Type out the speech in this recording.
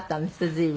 随分。